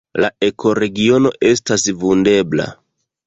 La ekoregiono estas vundebla.